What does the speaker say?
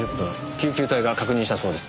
救急隊が確認したそうです。